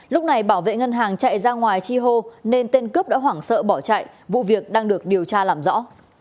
lúc này bảo vệ ngân hàng chạy ra ngoài chi hô nên tên cướp đã hoảng sợ bỏ chạy vụ việc đang được điều tra làm rõ